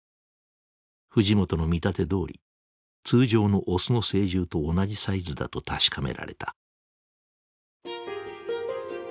藤本の見立てどおり通常のオスの成獣と同じサイズだと確かめられた。